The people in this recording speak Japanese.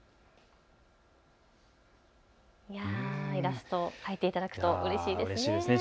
イラスト、描いていただくとうれしいですね。